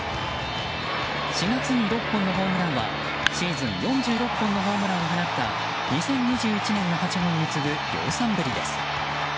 ４月に６本のホームランはシーズン４６本のホームランを放った２０２１年の８本に次ぐ量産ぶりです。